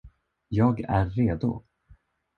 Jag är redo.